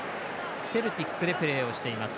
セルティックでプレーをしています。